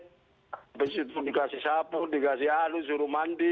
habis itu dikasih sapu dikasih anu suruh mandi